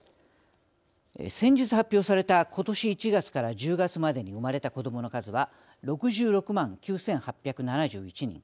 先日発表された今年１月から１０月までに生まれた子どもの数は６６万９，８７１人。